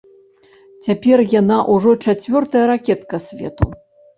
Цяпер яна ўжо чацвёртая ракетка свету.